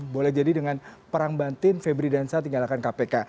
boleh jadi dengan perang bantin febri dan saat tinggalakan kpk